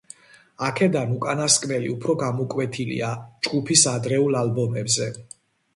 აქედან უკანასკნელი უფრო გამოკვეთილია ჯგუფის ადრეულ ალბომებზე.